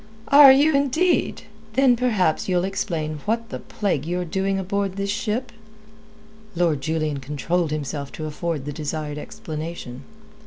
"Are you, indeed! Then perhaps ye'll explain what the plague you're doing aboard this ship?" Lord Julian controlled himself to afford the desired explanation.